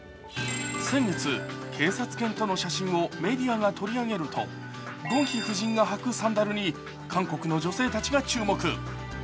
先月、警察犬との写真をメディアが取り上げるとゴンヒ夫人が履くサンダルに韓国の女性たちが注目。